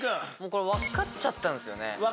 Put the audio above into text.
これ分かっちゃったんすよね。